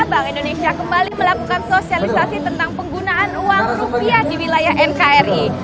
bank indonesia kembali melakukan sosialisasi tentang penggunaan uang rupiah di wilayah nkri